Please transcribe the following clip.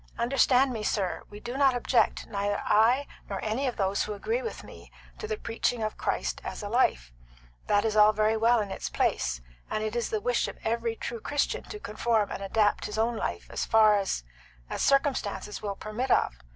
Understand me, sir, we do not object, neither I nor any of those who agree with me, to the preaching of Christ as a life. That is all very well in its place, and it is the wish of every true Christian to conform and adapt his own life as far as as circumstances will permit of.